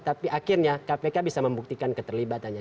tapi akhirnya kpk bisa membuktikan keterlibatannya